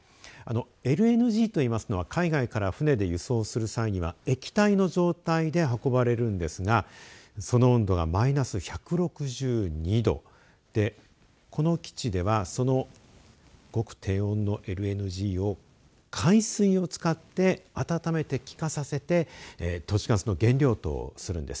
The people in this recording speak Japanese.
ＬＮＧといいますのは海外から船で輸送する際には液体の状態で運ばれるんですがその温度がマイナス１６２度でこの基地ではそのごく低温のＬＮＧを海水を使って温めて気化させて都市ガスの原料とするんです。